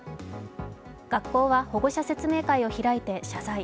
学校は保護者説明会を開いて謝罪。